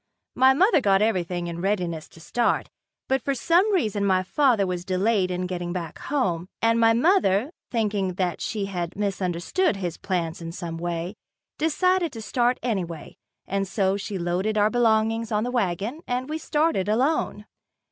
My mother got everything in readiness to start, but for some reason my father was delayed in getting back home, and my mother, thinking that she had misunderstood his plans in some way, decided to start anyway, and so she loaded our belongings on the wagon and we started alone.